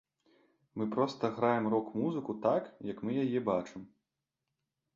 Мы проста граем рок-музыку так, як мы яе бачым.